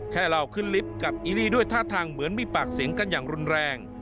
แค่เราขึ้นลิฟต์กับอีลี่ด้วยท่าทางเหมือนมีปากเสียงกันอย่างรุนแรง